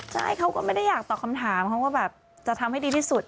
ใช่เขาก็ไม่ได้อยากตอบคำถามเขาก็แบบจะทำให้ดีที่สุด